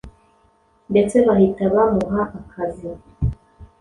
ndetse bahita bahamuha akazi,